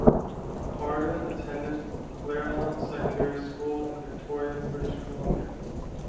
Harden attended Claremont Secondary School in Victoria, British Columbia.